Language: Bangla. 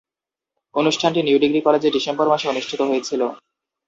অনুষ্ঠানটি নিউ ডিগ্রি কলেজে ডিসেম্বর মাসে অনুষ্ঠিত হয়েছিলো।